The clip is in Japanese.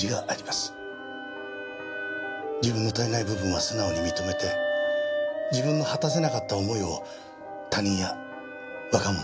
自分の足りない部分は素直に認めて自分の果たせなかった思いを他人や若者に託す。